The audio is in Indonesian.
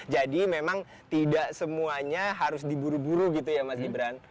jadi memang tidak semuanya harus diburu buru gitu ya mas gibran